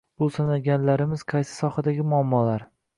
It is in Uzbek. Bu sanaganlarimiz qaysi sohadagi muammolar?